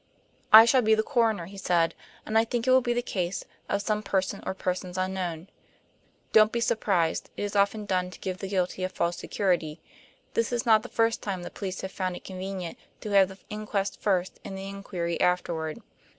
"I shall be the coroner," he said, "and I think it will be a case of 'some person or persons unknown.' Don't be surprised; it is often done to give the guilty a false security. This is not the first time the police have found it convenient to have the inquest first and the inquiry afterward."